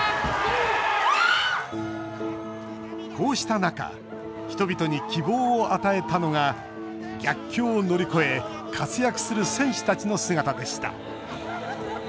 こうした中人々に希望を与えたのが逆境を乗り越え活躍する選手たちの姿でした。